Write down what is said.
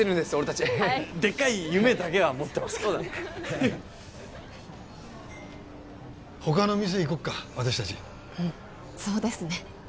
達はいでっかい夢だけは持ってますから他の店行こっか私達うんそうですね